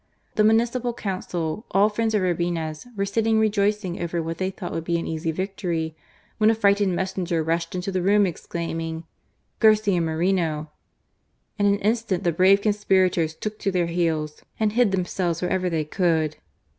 The municipal council, all friends of Urbina's, were sitting rejoicing over what they thought would be an easy victory, when a ifrightened messenger rushed into the room exclaiming, " Garcia Moreno." In an instant the brave conspirators took to their heels and hid themselves wherever they could.